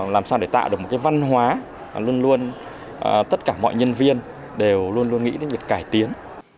làm sao để tạo được một cái văn hóa luôn luôn tất cả mọi nhân viên đều luôn luôn nghĩ đến việc cải tiến